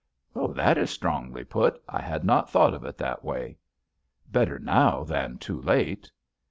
"That is strongly put. I had not thought of it that way." "Better now than too late."